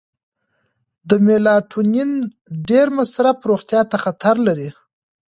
د میلاټونین ډیر مصرف روغتیا ته خطر لري.